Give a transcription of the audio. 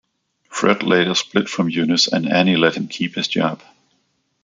Fred later split from Eunice and Annie let him keep his job.